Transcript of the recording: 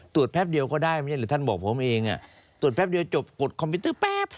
ตรวจแพบเดียวก็ได้หรือท่านบอกผมเองตรวจแพบเดียวจบกดคอมพิวเตอร์แป๊บ